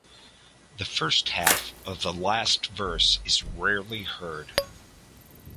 The first half of the last verse is rarely heard.